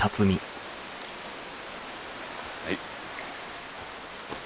はい。